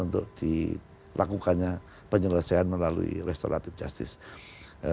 untuk dilakukannya penyelesaian melalui restoratif justice